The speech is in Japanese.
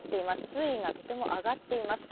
水位がとても上がっています。